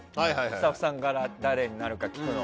スタッフさんから誰になるか聞くの。